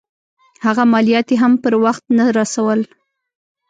هغه مالیات یې هم پر وخت نه رسول.